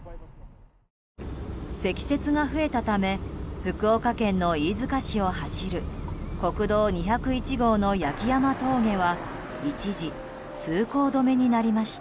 積雪が増えたため福岡県の飯塚市を走る国道２０１号の八木山峠は一時、通行止めになりました。